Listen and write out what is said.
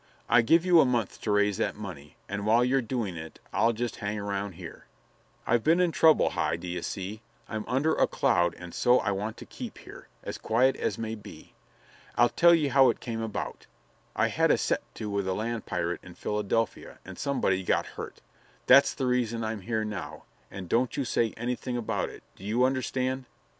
I give you a month to raise that money, and while you're doing it I'll jest hang around here. I've been in trouble, Hi, d'ye see. I'm under a cloud and so I want to keep here, as quiet as may be. I'll tell ye how it came about: I had a set to with a land pirate in Philadelphia, and somebody got hurt. That's the reason I'm here now, and don't you say anything about it. Do you understand?"